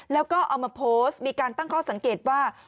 แล้วก็เอามาโพสต์มีการตั้งข้อสังเกตว่า